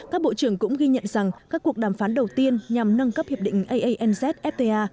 các bộ trưởng cũng ghi nhận rằng các cuộc đàm phán đầu tiên nhằm nâng cấp hiệp định aanz fta